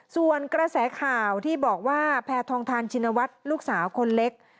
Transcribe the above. ส่วนกระแสข่าวที่บอกว่าแพทองทานชินวัฒน์ลูกสาวคนเล็ก